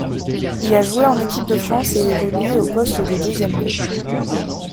Il a joué en équipe de France et évoluait au poste de deuxième ligne.